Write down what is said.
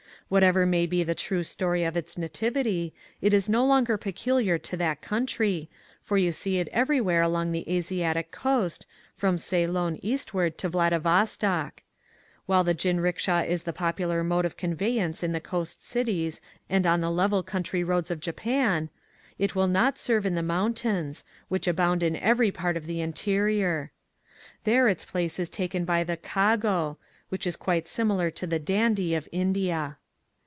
Whatever may be the true story of its nativity, it is no longer peculiar to that country, for you see it every where along the Asiatic coast, from Cey lon eastward to Vladivostok. While the jinricksha is the popular mode of convey ance in the coast cities and on the level country roads of Japan, it will not serve in the mountains, which abound in every part of the interior. There its place is taken by the "kago," which is quite simi lar to the "dandy" of India.